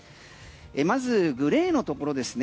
まずグレーのところですね。